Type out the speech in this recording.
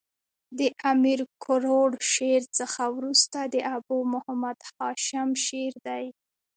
د امیر کروړ شعر څخه ورسته د ابو محمد هاشم شعر دﺉ.